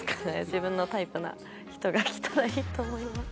自分のタイプな人が来たらいいと思います。